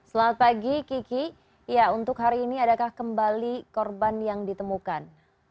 selamat pagi kiki untuk hari ini adakah kembali korban yang ditemukan